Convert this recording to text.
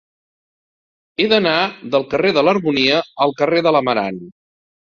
He d'anar del carrer de l'Harmonia al carrer de l'Amarant.